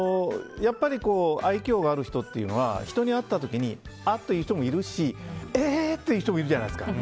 愛嬌がある人というのは人に会った時にあっって言う人もいるしえー！って言う人もいるじゃないですか。